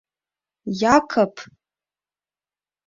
— Якы-ып!